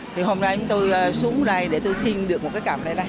thì hôm nay em tôi xuống đây để tôi xin được một cái cặp này này